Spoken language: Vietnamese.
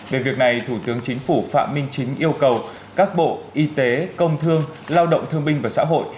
về việc này thủ tướng chính phủ phạm minh chính yêu cầu các bộ y tế công thương lao động thương binh và xã hội